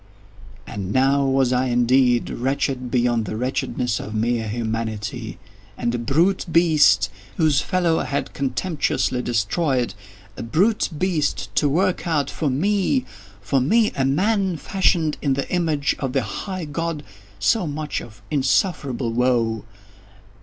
And now was I indeed wretched beyond the wretchedness of mere Humanity. And _a brute beast _—whose fellow I had contemptuously destroyed—a brute beast to work out for me—for me a man, fashioned in the image of the High God—so much of insufferable woe!